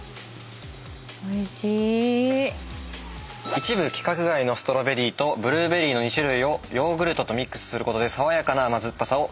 一部規格外のストロベリーとブルーベリーの２種類をヨーグルトとミックスすることで爽やかな甘酸っぱさを際立たせていると。